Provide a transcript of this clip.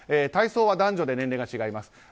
体操は男女で年齢が違います。